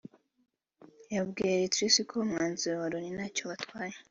wabwiye Reuters ko umwanzuro wa Loni ntacyo ubatwaye